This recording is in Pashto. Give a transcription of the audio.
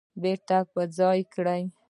بیرته په ځای کړي